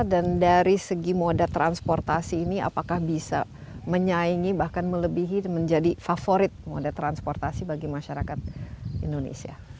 dan dari segi mode transportasi ini apakah bisa menyaingi bahkan melebihi menjadi favorit mode transportasi bagi masyarakat indonesia